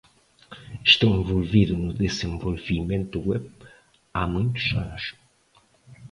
Estou envolvido no desenvolvimento web há muitos anos.